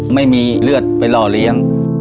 ไม่มีเลือดไปหล่อเลี้ยง